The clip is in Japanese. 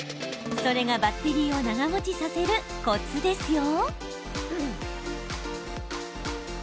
それがバッテリーを長もちさせるコツですよ。